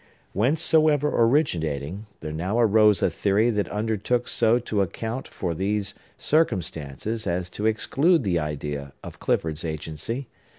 Whencesoever originating, there now arose a theory that undertook so to account for these circumstances as to exclude the idea of Clifford's agency.